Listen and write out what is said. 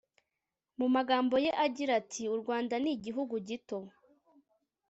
mumagambo ye agira ati u rwanda ni igihugu gito